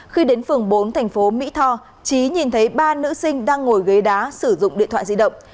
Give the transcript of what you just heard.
khi đến phường bốn thành phố mỹ tho trí nhìn thấy ba nữ sinh đang ngồi ghế đá sử dụng điện thoại di động